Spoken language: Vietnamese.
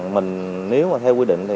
mình nếu mà theo quy định